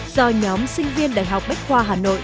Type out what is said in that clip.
do nhóm sinh viên đại học bách khoa hà nội